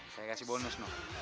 saya kasih bonus